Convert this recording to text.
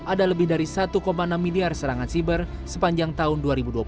ada lebih dari satu enam miliar serangan siber sepanjang tahun dua ribu dua puluh